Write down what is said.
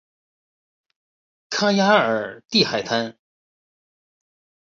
康雅尔蒂海滩。